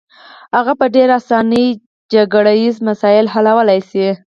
هغه په ډېره اسانۍ جګړه ییز مسایل حلولای شي.